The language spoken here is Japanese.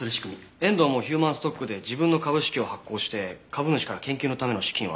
遠藤もヒューマンストックで自分の株式を発行して株主から研究のための資金を集めてるって言ってました。